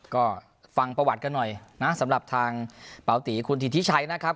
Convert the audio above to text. ก็ฟังประวัติกันหน่อยนะสำหรับทางปาตีคุณธิทิชัยนะครับ